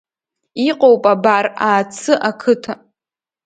Иҟоуп, абар, Аацы ақыҭа!